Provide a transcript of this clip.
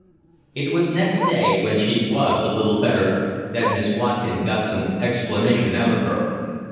It was next day, when she was a little better, that Miss Watkin got some explanation out of her.